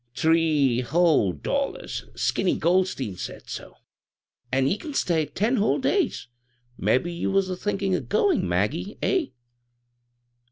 "Three whole dollara — Skinny Goldstein said so; an' ye can stay ten whole d^ys. Mebbe you was a thinldn' o* goin', Maggie ; eh?"